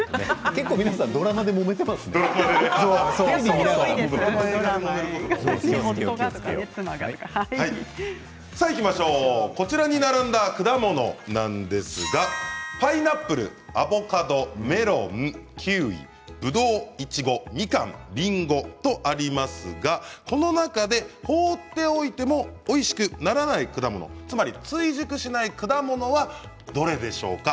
結構、皆さん「あさイチ」だから突っ込んでいるだけこちらに並んだ果物なんですがパイナップル、アボカド、メロンキウイ、ぶどう、いちご、みかんりんごとありますがこの中で、放っておいてもおいしくならない果物つまり追熟しない果物はどれでしょうか。